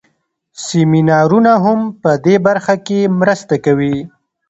سمینارونه هم په دې برخه کې مرسته کوي.